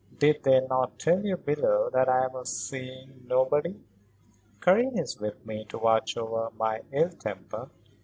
"Did they not tell you below that I was seeing nobody? Karen is with me to watch over my ill temper.